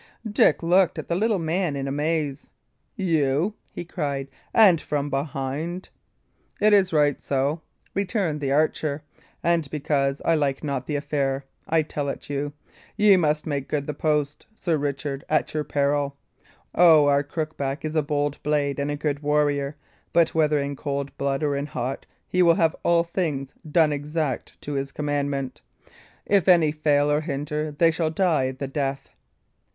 Dick looked at the little man in amaze. "You!" he cried. "And from behind!" "It is right so," returned the archer; "and because I like not the affair I tell it you. Ye must make the post good, Sir Richard, at your peril. O, our Crookback is a bold blade and a good warrior; but, whether in cold blood or in hot, he will have all things done exact to his commandment. If any fail or hinder, they shall die the death."